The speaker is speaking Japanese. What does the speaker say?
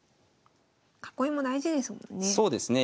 囲いも大事ですもんね。